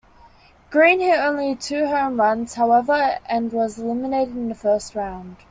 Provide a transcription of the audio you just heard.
Green hit only two home runs, however, and was eliminated in the first round.